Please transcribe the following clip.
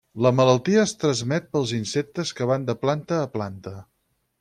La malaltia es transmet pels insectes que van de planta a planta.